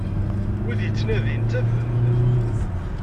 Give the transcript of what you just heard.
Wid yettnadin, ttafen-d.